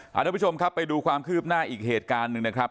ทุกผู้ชมครับไปดูความคืบหน้าอีกเหตุการณ์หนึ่งนะครับ